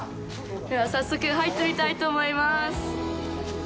では、早速入ってみたいと思います。